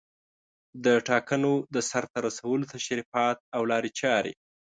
د ټاکنو د سرته رسولو تشریفات او لارې چارې